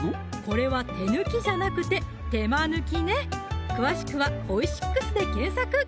これは手抜きじゃなくて手間抜きね詳しくは「オイシックス」で検索